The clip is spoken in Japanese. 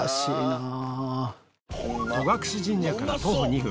戸隠神社から徒歩２分